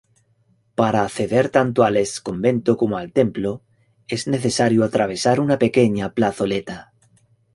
Para acceder tanto al ex-convento como al templo, es necesario atravesar una pequeña plazoleta.